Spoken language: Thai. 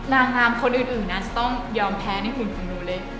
นางงามคนอื่นนะจะต้องยอมแพ้ในหุ่นของหนูเลย